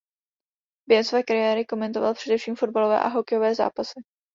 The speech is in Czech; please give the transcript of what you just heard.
Během své kariéry komentoval především fotbalové a hokejové zápasy.